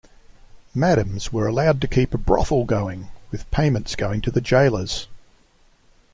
Madams were allowed to keep a brothel going, with payments going to the gaolers.